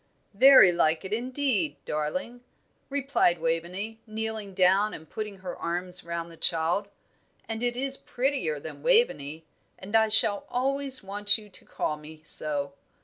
"Very like it, indeed, darling," replied Waveney, kneeling down and putting her arms round the child; "and it is prettier than Waveney, and I shall always want you to call me so.